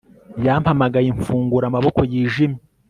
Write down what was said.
yampamagaye, mfungura amaboko yijimye